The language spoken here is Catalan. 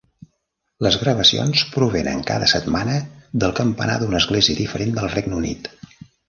Les gravacions provenen cada setmana del campanar d'una església diferent del Regne Unit.